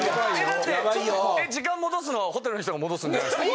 だって時間戻すのはホテルの人が戻すんじゃないですか。